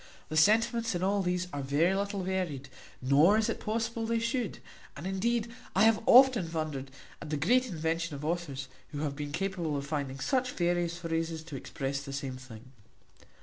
The sentiments in all these are very little varied, nor is it possible they should; and indeed I have often wondered at the great invention of authors, who have been capable of finding such various phrases to express the same thing.